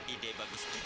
ide bagus juga du